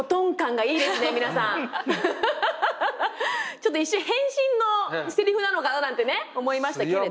ちょっと一瞬変身のセリフなのかななんてね思いましたけれど。